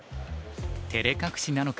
てれ隠しなのか